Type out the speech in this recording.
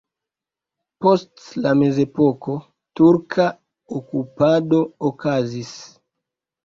Post la mezepoko turka okupado okazis.